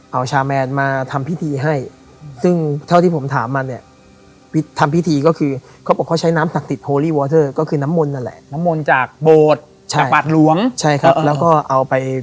เอาชาแมนมาทำพิธีให้ซึ่งเท่าที่ผมถามมาเนี่ย